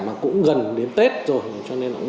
mà cũng gần đến tết rồi cho nên